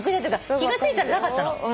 気が付いたらなかったの。